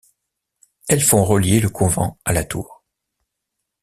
Elles font relier le couvent à la tour.